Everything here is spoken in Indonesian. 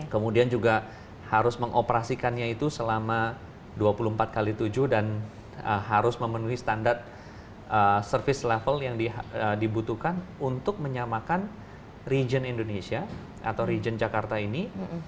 kemudian juga harus mengoperasikannya itu selama dua puluh empat x tujuh dan harus memenuhi standar service level yang dibutuhkan untuk menyamakan region indonesia atau region jakarta ini